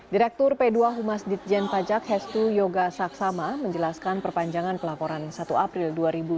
direktur p dua humas ditjen pajak hestu yoga saksama menjelaskan perpanjangan pelaporan satu april dua ribu dua puluh